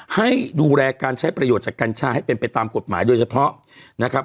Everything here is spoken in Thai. ให้ดูแลการใช้ประโยชน์จากกัญชาให้เป็นไปตามกฎหมายโดยเฉพาะนะครับ